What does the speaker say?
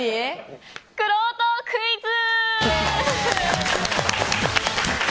くろうとクイズ！